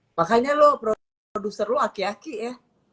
makanya lo produser lo aki aki ya